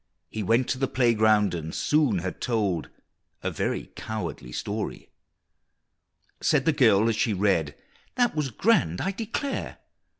He went to the playground, and soon had told A very cowardly story! Said the girl as she read, "That was grand, I declare!